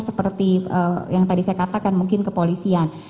seperti yang tadi saya katakan mungkin kepolisian